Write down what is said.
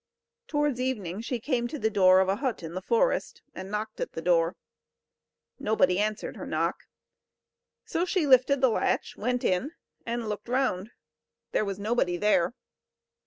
Towards evening she came to the door of a hut in the forest, and knocked at the door. Nobody answered her knock. So she lifted the latch, went in, and looked round there was nobody there.